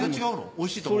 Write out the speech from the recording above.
おいしいと思う？